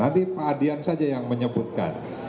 nanti pak adian saja yang menyebutkan